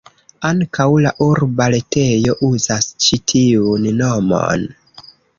Ankaŭ la urba retejo uzas ĉi tiun nomon.